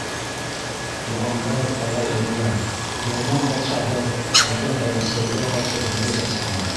— Туғандар, ағай-энеләр, Герман батшаһы беҙҙең Әрәсәйгә ҡаршы һуғыш асҡан.